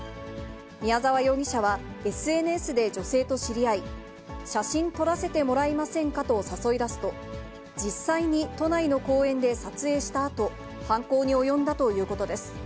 宮沢容疑者はＳＮＳで女性と知り合い、写真撮らせてもらえませんかと誘い出すと、実際に都内の公園で撮影したあと、犯行に及んだということです。